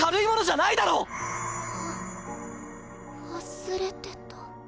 忘れてた。